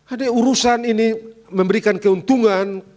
ada urusan ini memberikan keuntungan